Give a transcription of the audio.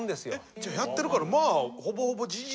じゃあやってるからまあほぼほぼ事実。